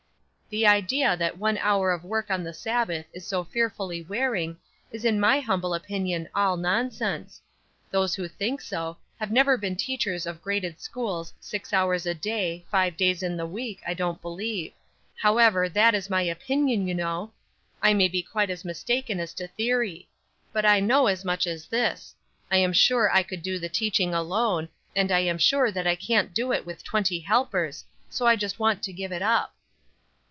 "The idea that one hour of work on the Sabbath is so fearfully wearing, is in my humble opinion all nonsense; those who think so, have never been teachers of graded schools six hours a day, five days in the week, I don't believe. However, that is my opinion, you know. I may be quite mistaken as to theory; but I know as much as this. I am sure I could do the teaching alone, and I am sure that I can't do it with twenty helpers, so I just want to give it up."